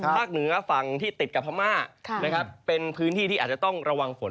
ภาคเหนือฝั่งที่ติดกับภาหม้าเป็นพื้นที่ที่อาจจะต้องระวังฝน